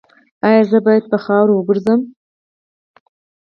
ایا زه باید په خاورو وګرځم؟